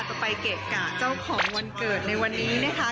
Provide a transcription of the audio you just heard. ไปเกะกะเจ้าของวันเกิดในวันนี้นะคะ